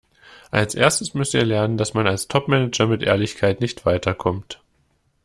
Als Erstes müsst ihr lernen, dass man als Topmanager mit Ehrlichkeit nicht weiterkommt.